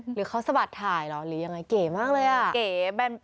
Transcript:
หรือเขาสะบัดถ่ายหรอหรือยังไงเก่งมากเลย